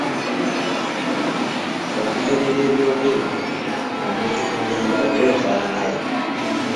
Okugerera ebyogerwa omuntu ku nnyambala / enfaanana ye .